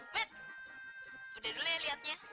wets udah dulu ya liatnya